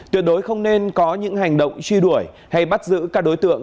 tuyệt đối không nên có những hành động truy đuổi hay bắt giữ các đối tượng